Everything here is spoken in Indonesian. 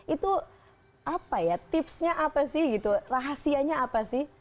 itu apa ya tipsnya apa sih gitu rahasianya apa sih